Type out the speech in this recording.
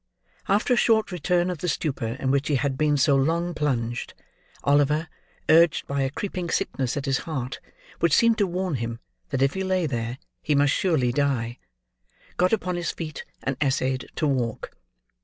After a short return of the stupor in which he had been so long plunged, Oliver: urged by a creeping sickness at his heart, which seemed to warn him that if he lay there, he must surely die: got upon his feet, and essayed to walk.